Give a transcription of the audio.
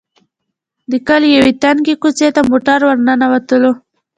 د کلي يوې تنګې کوڅې ته موټر ور ننوتلو.